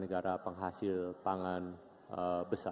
negara penghasil pangan besar